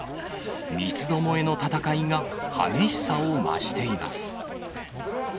三つどもえの戦いが激しさを増しています。